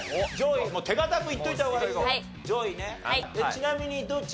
ちなみにどっち？